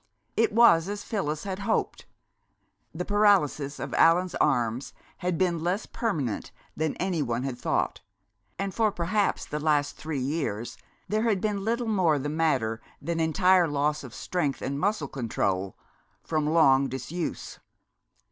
It was as Phyllis had hoped: the paralysis of Allan's arms had been less permanent than any one had thought, and for perhaps the last three years there had been little more the matter than entire loss of strength and muscle control, from long disuse.